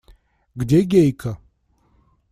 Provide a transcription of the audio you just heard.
Где Гейка?